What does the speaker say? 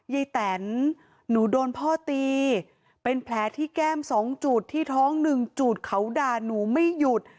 แตนหนูโดนพ่อตีเป็นแผลที่แก้ม๒จุดที่ท้อง๑จุดเขาด่าหนูไม่หยุด